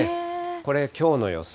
これ、きょうの予想。